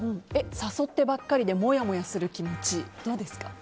誘ってばかりでもやもやする気持ち、どうですか。